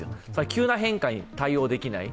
急な変化に対応できない。